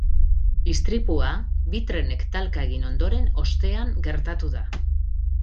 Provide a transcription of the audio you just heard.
Istripua bi trenek talka egin ostean gertatu da.